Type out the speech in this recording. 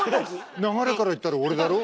流れから言ったら俺だろ？